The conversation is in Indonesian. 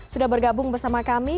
sudah bergabung bersama kami